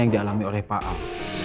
yang dialami oleh pak ahok